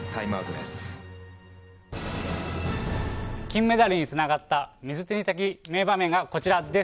金メダルにつながった水谷的名場面がこちらです。